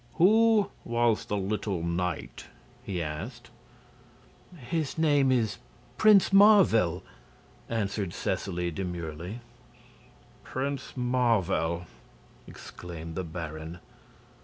"Who was the little knight?" he asked. "His name is Prince Marvel," answered Seseley, demurely. "Prince Marvel?" exclaimed the Baron.